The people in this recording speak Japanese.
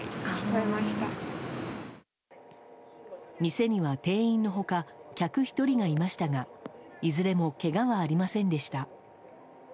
店には店員の他客１人がいましたがいずれもけがはありませんでした。